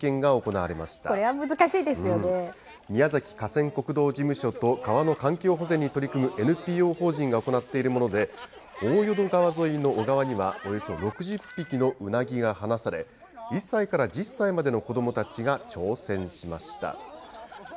河川国道事務所と川の環境保全に取り組むＮＰＯ法人が行っているもので、大淀川沿いの小川には、およそ６０匹のうなぎが放され、１歳から１０歳までの子どもたちが挑戦しました。